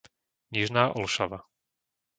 Nižná Olšava